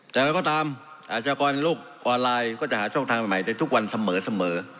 แต่เราก็ตามอาชกรโลกออนไลน์ก็จะหาช่องทางใหม่ได้ทุกวันเสมอ